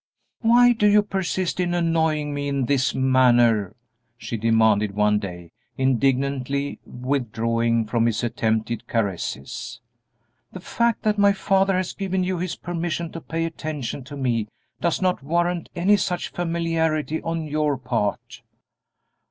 "Why do you persist in annoying me in this manner?" she demanded one day, indignantly withdrawing from his attempted caresses. "The fact that my father has given you his permission to pay attention to me does not warrant any such familiarity on your part."